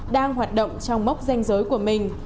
đang hoạt động trong mốc danh giới của mình